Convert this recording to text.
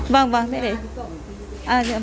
vâng vâng thế đấy